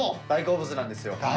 大好物なんですよ